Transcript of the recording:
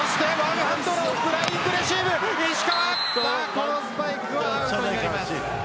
このスパイクはアウトになります。